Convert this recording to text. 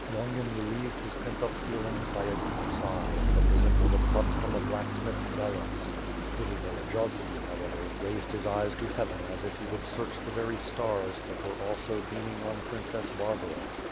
Longin relieved his pent up feelings by a deep sigh, that resembled a puff from a blacksmith's bellows. Little Volodi yovski, however, raised his eyes to heaven as if he would search the very stars that were also beaming ,on Princess Barbara.